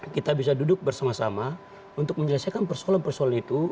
kita bisa duduk bersama sama untuk menyelesaikan persoalan persoalan itu